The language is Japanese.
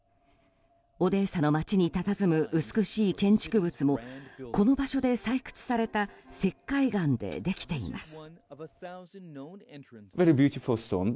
オデーサの街にたたずむ美しい建築物もこの場所で採掘された石灰岩でできています。